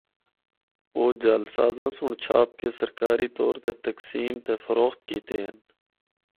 او جعل سازاں سُنڑ چھاپ کے سرکاری طور تے تقسیم تے فروخت کیتے ہن۔